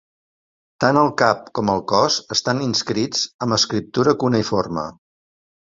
Tant el cap com el cos estant inscrits amb escriptura cuneïforme.